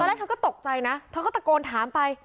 ตอนแรกเขาก็ตกใจนะเขาก็ตะโกนถามไป